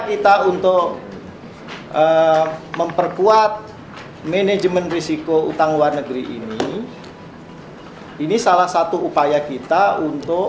kita untuk memperkuat manajemen risiko utang luar negeri ini ini salah satu upaya kita untuk